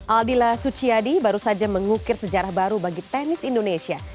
aldila suciadi baru saja mengukir sejarah baru bagi tenis indonesia